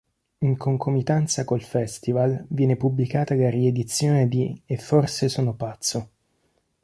In concomitanza col Festival viene pubblicata la riedizione di "E forse sono pazzo".